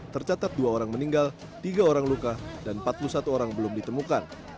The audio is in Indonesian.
tercatat dua orang meninggal tiga orang luka dan empat puluh satu orang belum ditemukan